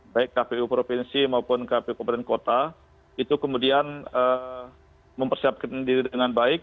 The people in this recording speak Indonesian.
baik kpu provinsi maupun kpu badan kota itu kemudian mempersiapkan diri dengan baik